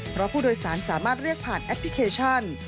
เพราะผู้โดยสารสามารถเรียกผ่านแอปพลิเคชัน